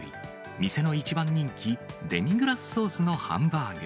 店の一番人気、デミグラスソースのハンバーグ。